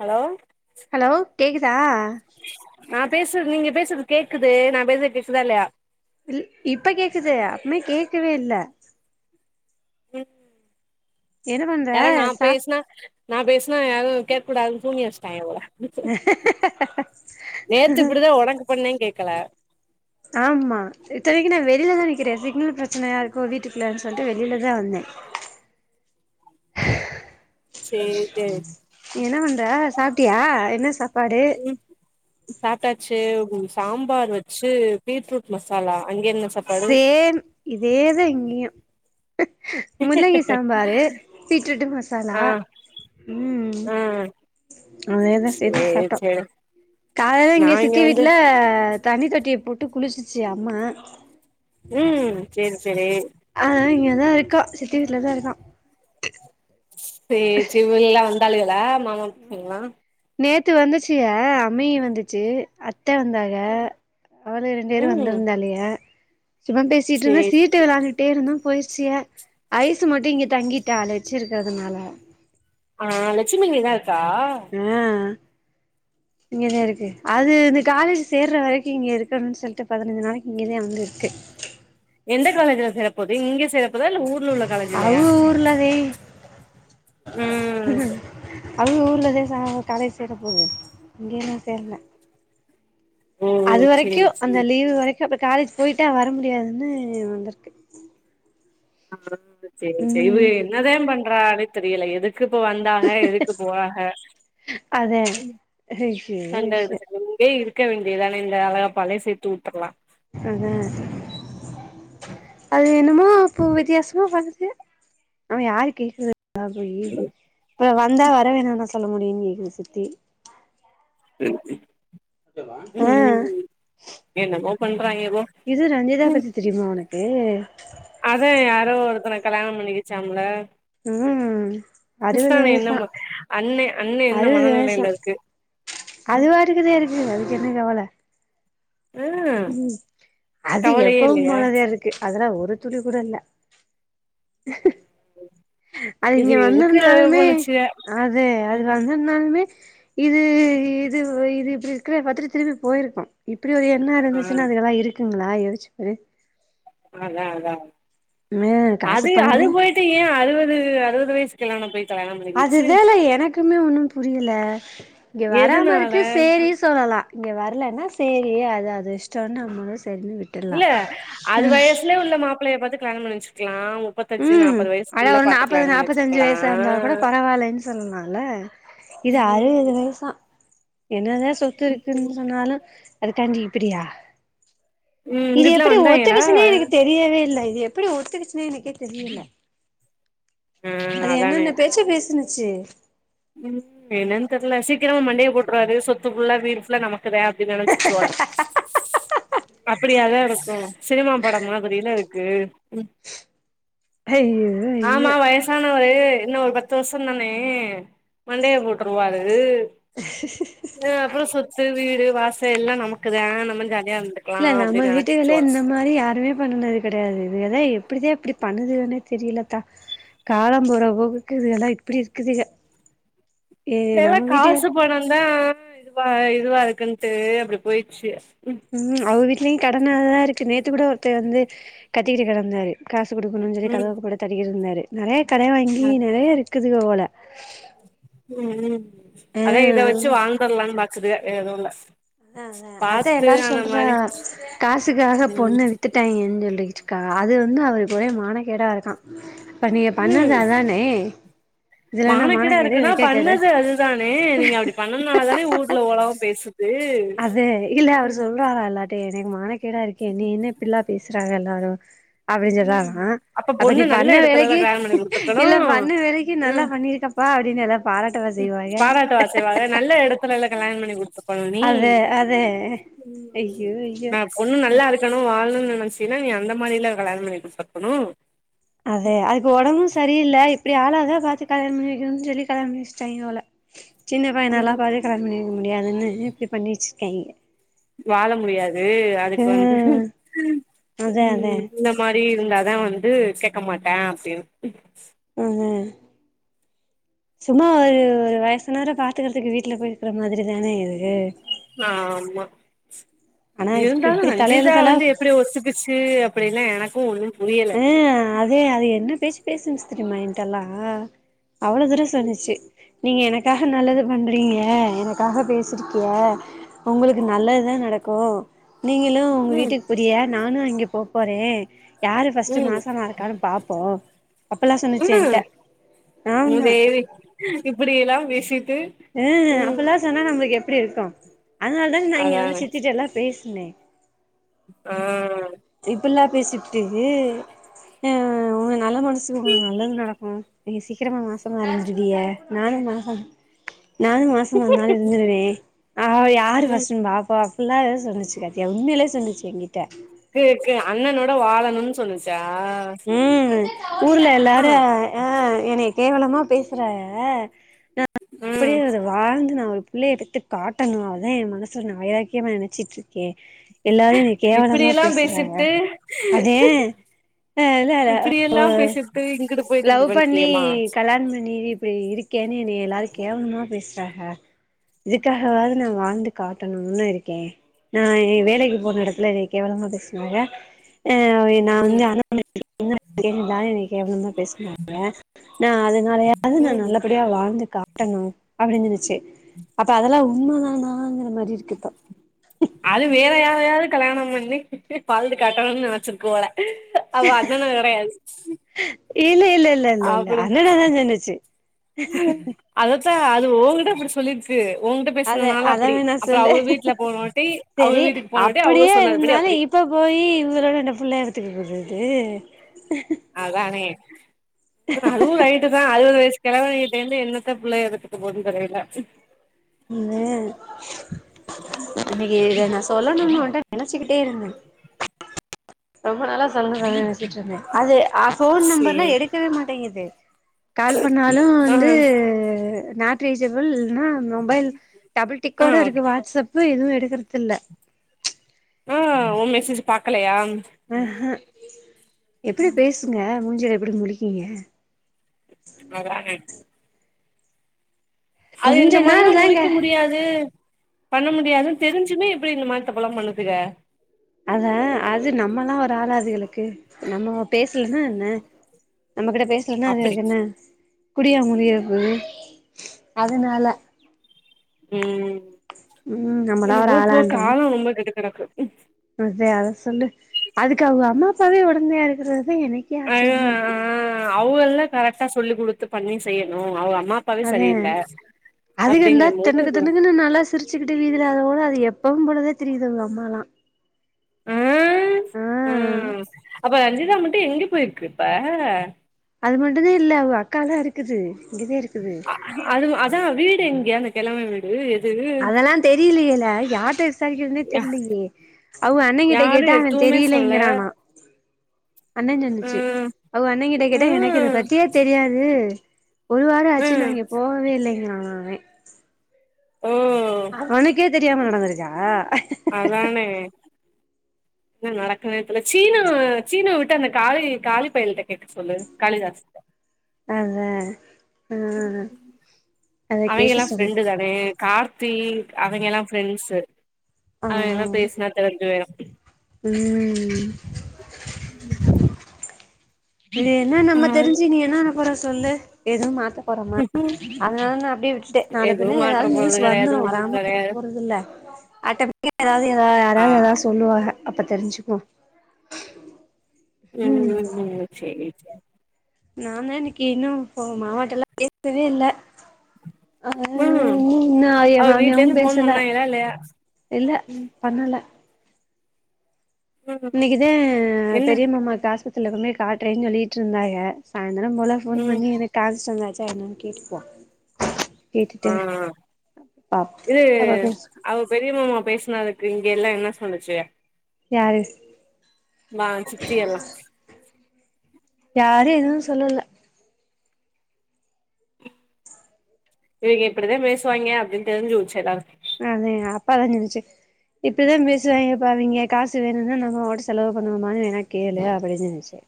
hello hello கேக்குதா நா பேசு நீங்க பேசுறது கேக்குது நா பேசுறது கேக்குதா இல்லையா இல் இப்ப கேக்குது அப்பமே கேக்கவே இல்ல உம் என்ன பண்ற சா நா பேஸ்னா யாரும் கேக் கூடாது சூனியம் வச்டாங்க போல நேத்து இப்டிதா ஒனக்கு பண்ணே கேக்கல ஆமா இத்தனைக்கு நா வெளிலதா நிக்கிற சிக்னல் பிரச்சனையா இருக்கோ வீட்டுக்குள்ள சொல்ட்டு வெளில தா வந்தே சேரி தெர் என்ன பண்ற சாப்டியா என்ன‌ சா ம் சாப்டாச் டு சாம்பார் வச்சு பீட்ரூட் மசாலா அங்க என்ன சாப்பாடு சேம் இதேதா இங்கயு முள்ளங்கி சாம்பாரு பீட்ரூட்டு மசாலா ஆ ம் ஆ அதேதா சேத்து சேரி சாப்ட்டோ சேரி காலைல நா இங்க சித்தி வந்து வீட்ல தண்ணி தொட்டிய போட்டு குளிச்சிச்சி அம்மா ம் சேரி சேரி அங்கதா இருக்கா சித்தி வீட்லதா இருக்கா சேர் சேரி விளா தலுகல [unintelligible] நேத்து வந்துச்சு அ அம்மயி வந்துச்சு அத்த வந்தாக அவளுக ரெண்டு பேரு ம் வந்துருந்தாலுக சும்மா பேசிட்ருந்தோ சேரி சீட்டு சேரி வெளாண்டுட்டே இருந்தோ பொய்சிய ஐஸ் மட்டு இங்க தங்கிட்டாலெச்சிரு த்ததுனால ஆ லட்சுமி இங்கதா இருக் கா இங்கதே இருக்கு அது இந்த காலேஜ் சேர்ற வரைக்கு இங்க இருக்கணு சொல்லிட்டு பதினஞ்சு நாளைக்கு இங்கதா வந்து இருக்கு எந்த காலேஜ்ல சேறப்போது இங்க சேரப் தா இல்ல ஊர்ல உள்ள காலேஜ்லயா அவுக ஊர்லதே ம் அவங்க ஊர்லதே க காலேஜ் சேர போது இங்கயல்லா சேர்ல ஓ அது வரைக்கு சேரி அந்த சேரி லீவு வரைக் அப்றோ காலேஜ் போய்ட்டா வர முடியாதுன்னு வந்துருக்கு அப்பற சேரி சே இவ என்னதா பண் றானே தெரியல எதுக் குப்போ வந்தாக எதுக்கு போறாக அதே ஐயோ சண்ட ஐயோ இருக் இங்கே இருக் க வேண்டியதான இந்த அழகப்பாலே சேத்து உட்ரலா அதா அது என்னமோ இப்ப வித்தியாசமா பண்ணுது நம்ம யாரு கேக்குது அ போயி அப்போ வந்தா வர வேணானா சொல் சொல்ல முடியு கேக்குது சித்தி [inaudible] அ ம் என்னமோ பண்றாய்ங்கபோ இது ரஞ்சிதா பத்தி தெரியுமா உனக் [unintelligible] அதா யாரோ ஒருத்தன கல்யாண பண்ணிக்கிச்சாம்ல உம் அறுவது கிருஷ்ணாண்ண வயசா என்னமா அண்ணே அண்ணே என்ன அறுவது வயசா மனநிலையில இருக்கு ம் அது வாட்டுகுதா இருக்கு என்ன கவல ஆ உம் அது கவலையே எப்பவு இல்லையா போலதா இருக்கு அதல ஒரு துளி கூட இல்ல [inaudible] அது இது இங்க எதுக்கு லவ் வந்திருந்தாலுமே பண்ணுச்சுக அது அது ம் வந்திருந்தாலுமே இது இது இது இப்படி இருக்கிற பாத்துட்டு திரும்பி போயிருக்கூ இப்டி ஒரு எண்ணோ ஆ இருந்துச்சுனா அதுல்லா இருக் ட்ருவிங்களா யோசிச்சு பாரு அதா அதா மே காசு அது அது பணந்தா போயிட்டு ஏ அறுவது அறுவது வயசு [unintelligible] பண்ணிக்கிச்சு அதுதன எனக்குமே ஒண்ணும் புரிய ல இங்க வராம எதுனால இருக்கு சேரி சொல்லலா இங்க வர்லனா சேரி அது அது இஷ்டனு நம்ம இல்ல அது வயசுலே உள்ள மாப்பிள்ளையை பாத்து கல்யாணம் பண்ண வச்சு க்லாம் உம் அடா ஒரு நாப்பது நாப்பத்துஅஞ்சு வச்சிருக்கலா வயசா இருந்தா கூட பரவால்லன்னு சொல்லலால இது ம் அறுவது வயசா என்னதா சொத்து இருக்குன்னு சொன்னாலு அதுக்காண்டி இப்படியா இது இங்கிட்லா எப்படி வந்தாய்ங்களா ஒத்துகிசின்னே எனக்கு தெரியவே இல்ல எப்படி ஒத்துகிச்னே எனக்கே தெரியல்ல ஆ அது என்னன்ன பேச்சு பேசினு சி உம் என்னனு தெர்ல சீக்கிரம மண்டய போ ட்ருவாரு சொத்து ஃபுல்லா வீடு ஃபுல்லா நமக் க்குதே அப்டி நெனச்சிச்சோ அப்படியாதா இருக்கு சினிமா பட மாதிரியில இரு க்கு ஐயோ ஐயோ இன்னும் ஒரு ஒரு இன்ன ஒரு பத்து வருஷம் தானே மண்டைய போட்டுருவாரு அஹ் அப்புறம் சொத்து வீடு வாச எல்லா நமக்குதா நம்மள்கு இல்ல நம்ம வீட்டுகளே இந்த மாரி யாருமே பண்ணுனது கெடையாது இது அத எப்படிதான் அப்படி பண்ணுதுன்னே தெரியல தா காலம் போற போகுக்கு இதுகல்லாம் இப்டி இருக்குதுங்க இப்ப எல்ல காசு பணம்தான் ஆஹ் இதுவா இதுவா இருக்குன்ட்டு அப்படி போயிடுச்சு ம் உம் அவக வீட்லயு கட நல்லா இருக்கு நேத்து கூட ஒருத்த வந்து கத்திட்டு கிடந்தாரு காசு துட்டு கொடுக்கணும் சொல்லி ம் கதவு கூட தட்கீறுந்தார் து நெறயெ கட வாங்கி அ நெறைய இருக் க்குதுக்க போல உம் உ ஆ அதான் இத வச்சு வாழ்ந்தரலன்னு பா காசு தா ஏது இல்ல அ அ அதான் பாத்து எல்லாரும் அந்த சொல்றா மாரி காசுக்காக ம் பொண்ணு வித்துட்டாங்கன்னு சொல் இருக்கா அது வந்து அவருக்கு ஒரே மானக்கேடா இருக்க இப்ப நீ பண்ணது அதானே இதுல என்ன மானக்கேட மானக்கேடு இருக்குன்னா வெக்கக்கேடு பண்ணது அதுதானே நீங்க அப்படி பண்ணதுனால தானே ஊர்ல உலவம் பேசுது அது இல்ல அவரு சொல்றாறல்லட் ட்டே எனக் மானக் கேட இருக்கேன் நீ என்ன இப்டிலா பேசுற ன்டாங்க எல்லாரு அப்படின்னு ம் சொல்றாங்க அப்ப நீ பொண்ணு நல்ல பண்ண எடத்துலதா வேலைக்கு கல்யாணோ பண்ணி குடுத்துருக்கணு இல்ல பண்ண வேலைக்கு நல்லா பண்ணிருக்கப்பா அப்படின்னு நல்ல பாராட்டவா செய்வாக நல்ல எடத்துலல்ல கல்யாணம் பண்ணி கொடுத்து பழனி அது அது ஐயோ நா ஐயோ பொண்ணு நல்லா இருக்குன்னு வாழனு நல்ல மனுசினா நீ அந்த மாரி இல்ல கல்யாணம் பண்ணி கொடுத்திருக்கணு அதே அதுக்கு உடம்பும் சரியில்ல இப் இப்படி ஆளாதான் பாத்து கல்யாணம் பண்ணி வைக்கணுன்னு சொல்லி கல்யாணம் பண்ணி வச்சிட்டாங்க போல சின்ன பையனலாம் பாத்து கல்யாணம் பண்ணி வைக்க முடியாதுன்னு இப்படி பண்ணி வெச்சி கை வாழ முடியாது அதுக்கு வந்து அதா உ அதா இந்த மா டி இருந்தாதா வந்து கேக்க மாட்டேன் அப்படின்னு உஹ்ம் உம் சும்மா ஒரு வயசு நேர பாத்துக்கறதுக்கு வீட்டுல போயிருக்குற மாதிரி தானே இது ஆஹ் ஆமா ஆனா இதுக்கு இருந்தாலு இப்டி ரஞ்சிதா தலையெழுத்தெல்லா வந்து எப்படி ஒத்துக்குச்சு அப்படினா எனக்கு ஒண்ணுமே ஆஹ் அதே அது என்ன பேச்சு பேசுன்ச்சு தெரிமா எங்கிட்டலா அவ்வளோ தூர சொல்லுச்சு நீங்க எனக் க்காக நல்லது பண்றீங்க எனக்காக பேசிருக்கிய உங்களுக்கு நல்லதுதான் நடக்கும் நீங்களும் உங்க ம் வீட்டுக்கு போரிய நானும் அங்க போ போறேன் யாரு ஃபர்ஸ்ட்டு மாசமா இருக்கான்னு பார்ப்போம் உம் ஆமா மூதேவி இப்டியெல்லா பேசி ஹம் அப்பெல்லா சொன்னா நம்ளுக்கு எ ப்டி இருக்கும் அதனால தாங் நா இங்க வந்து சிரிச்சிட்டு எல்லா பேசு பின்னே ஆஹ் இப்பில்லாப் பேசி புட்டு ஆஹ் உங்க நல்ல மனசுக்கு உங்களுக்கு நல்லது நடக்கும் நீங்க சீக்கிரமா மாசமா அடஞ்சிடுவிய நானு மாசம் நானு மாசம்மா இருந்தாலு இருந்துடுவே ஆஹ யாரு ம் ஃபஸ்ட்டுன் பாப்பாப் [unintelligible] ஏதாவ்து சொன்னுச்சு [unintelligible] உண்மலியே சொன்னச்சு என்கிட்ட இருக்கு அண்ணனோட வாழணும்னு சொன்னுச்சா உம் ஊர்ல ம் எல்லாரும் ஆஹ் எனைய கேவலமா பேசுறாக நா ம் அப்டியே அத வாழ்ந்து நா அவ் புள்ளைய பெத்து காட்டணு அததா என் மனசுல நா வைரக்கியமா நெனச்சிட் இருக்கே எல்லாரும் என்னய கேவலமா இப்டியெல்லா பேசுறாக பேசிப்ட்டு அதே ஏ இல்லல இப்டியெல்லா [unintelligible] பேசிப்ட்டு இங்குட்டு போயிட்டு லவ் இப்டி பண்ணி பண்ட்டியேமா கல்யாண பண்ணி இப்டி இருக்கேன்னு என்னை எல்லாரு கேவலமா பேசுறஹா இதுக்காஹவாது நா வாழ்ந்து காட்டணும்னு இருக்கே நா வேலைக்கு போன எடத்துல என்னய கேவலமா பேசுனாஹ [unintelligible] நா ம் வந்து அனுப் [inaudible] என்னய கேவலமா [inaudible] நா அதனாலயாது நா ம் நல்லபடியா வாழ்ந்துக்க ட்டணு அப்டின் சொன்னுச்சு அப்ப அதெல்லா உ உண்மதனாங்குற மா அது வேற யா ரையது கல்யாண பண்ணி வாழ்ந்து காட்டணுனு நெனச்சிருக்ளாலா அவ்வ அண்ணண கெடையாது ஈலே இல்ல இல்ல இல்ல அப்டி இல்ல [unintelligible] முடி சொல்லிர்ச்சு அத அத வேணா சொல்லு வீட்ல போனவாட்டி அவங்க சேரி வீட்டுக்கு போனவாட்டி அவங்க அப்புடியே சொன்னதுபடி இருந்தாலு அப்டி இப்ப போயி இவுகதான அந்த புள்ளய வ திகுறர்ரது அதானே அதுவூ ரைட்டு தா அறுவது வயசு கிழவே கிட் எங்க என்னத்த பிள்ளைக எதுதித்து போதுன் தெரியல மே இன்னைக்கு இத நா சொல்ல [unintelligible] நெனச்சுக்கிட்டே இருந்தே ரொம்ப நாளா சொல்லனு சொல்லனு நெனச்சிட்டு இருந்தே அது ஆ ஃபோன் நம்பர்லா சேரி எடுக்கவே மாட்டேங்கித் வேர் கால் பண்ணாலு ஆ வந்து நாட் ரீச்சபில் ன்னா மொபைல் டபுள் ஆ டிக்கோட ஓகே இருக்கு வாட்ஸ்அப் இப்ப ஏதுவு எடுக்கிறதில்ல ஆ ஒம் மெசேஜ் பாக்கலையா ம்ஹூ எத்து பேசுங்க மூஞ்சில எப்பிடி முழிக்கீங்க அத்தான அது கொஞ்ச இந்த மார்லா நாள் உழைக்க தாங்க முடியாது பண்ண முடியாதுன் தெரிஞ்சுமே எப்டி இந்த மாரி தப்புல்லா பண்ணுத்துக அதா அது நம்மலா ஒரு ஆளா அதுகளுக்கு நம்மோ பேசுலன்னா என்ன நம்ம கிட்ட பேசுலன்னா அப்டி அதுகளுக் என்ன குடியா முழிகிற போது அதனால உம் உம் நம்மளா ஒர் ஆளாண்றாங்க ரொம்ப கெட்டு கெடக்கு ம் அத்த அத சொல்லு அதுக்கு அவுக அம்மா அப்பாவே ஒடந்தையா ர்ரு தி எனைக்கே ஆச்ரியமா இருக்கு கரக்ட்டா சொல்லு குடுத்து பண்ணி செய்யணு அவ் அம் அதே அதுக இந்தா அப்டிங்கும் தென்னுக்கு போது தென்னுக்குனு நல்லா சிரிச்சுகிட்டு வீதில அதோடா அது எப் போகும்பொழுதே திரியிது அவ்க அம்மாலா ஆஹ் ஆ ஆஹ் அப்ப ரஞ்சிதா மட் டு எங்க போய்ருக்கு இப்ப அது மட்டு்தா இல்ல அவ்க அக்காலா இருக்குது இங்கதா இருக்குது அ அதுவு அதா வீ டு எங்க அந்த கெழவ வீடு எது அதலா தெரியிலயேல யார்ட்ட விசாரிக்ரதுனே தெரிலையே அவ்க அண்ணங்கெட்ட யாரு கேட்டா அவ எதுவுமே சொல்ல தெரியலேங்குறானா அண்ண சொன்னுச்சு ம் அவ்க அண்ணங்கிட்ட கேட்டா எனக்கு இத ம் பத்தியே தெரியாது ஒரு வார ஆச்சு ம் நா இங்க போகவே இல்ல இன்னு உம் ஹிம் ஓ ம் வருஜா அதானே ன்ன நடக்குனே தெர்ல சீனு சீனு விட்டு அந்த காளி காளி பயல்ட்ட கேக்க சொல்லு காளிராஜ்ட்ட அதா கேக்க அவைங்கெலா சொல் ஃப்ரெண்டு தானே கார் த்தி அவைங்கெலா ஃப்ரெண்ட்ஸு அவைங்கெல்லா ஆஹ் பேசுனா தெரிஞ்சு போயிரு உம் உம் இத என்ன நம்ம தெரிஞ்சு இனி என்ன பண்ண போறோ சொல்லு எது மாத்த போறமா அதுலருந்து அப்டியே விட்டுட்டே நாள எதுவு பின்ன மாட்ற எதாவ்து நியூஸ் போறது கெடையாது வந்துரு ஒன்னு வராம கெடையாது போறதில்ல ஆட்டம் [unintelligible] எதாவ்து எதா ஆ யாராவ்து எதா சொல்லுவாங்க அப்ப தெரிஞ்சுக்கோ உம் உம் உம் சேரி சேரி நாந்தா இன்னக்கி இன்னு இப்ப மாமாட்டலா பேசவே இல்ல ம் அஹ் இன்னு எ அவ வீட்ல மாமியாவு இருந்து ஃபோன் பேசல பண்ணாய்களா இல்லையா இல்ல ம் பண்ணல ம் இன்னக்கிதே என்ன பெரிய மாமா காசு குட் த்துள்ளதுமே காட்றேன்னு சொல்லிக்கிட்ருந்தாக அ தினம் போல ஃபோன் ம் பண்ணி இரு காசு சொன்னாரு போ என்னன் கேட்டுட்டு வா ஆஹ் இது அப்ப பேசு அவ பெரிய மாமா பேசுனதுக்கு இங்க எல்லா என்ன சொன்னுச்சு யாரு மா சித்தியெல்லா யாரு எதுவு சொல்லல இவங்க இப்படிதா பேசுவாய்ங்க அப்டின்னு தெரிஞ்சு போச்சி எல்லாரு அதே, அப்பா அதா சொன்னுச்சு இப்படிதா பேசுவாய்ங்கப்பா அவிங்க காசு வேணுனா நம்ம போட்டு செலவு பண்ணனுமான்னு வேணா கேளு அப்டினு சொன்னுச்சு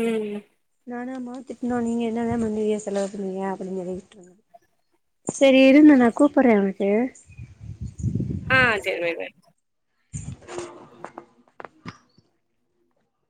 ம் ஆனா மா திட்டுனோ, நீங்க என்னதா பண்ணுவிய செலவு பண்ணீங்க அப்டின்னு சொல்லி திட்டுவாங்க சேரி இருந்த, நா கூப்புட்றே உன்ன அ ஆஹ் சரி பை பை